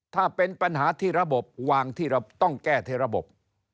ถ้าเป็นปัญหาที่ระบบวางที่เราต้องแก้ที่ระบบ